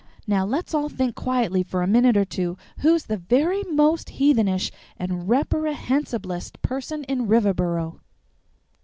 Now let's all think quietly for a minute or two who's the very most heathenish and reperrehensiblest person in Riverboro."